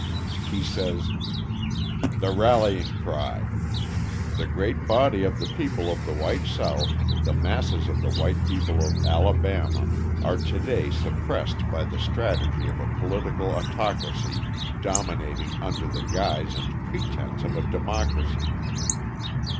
He says: THE RALLYING CRY The great body of the people of the white South, the masses of the white people of Alabama, are to day suppressed by the strategy of a political autocracy dominating under the guise and pretence of a democracy.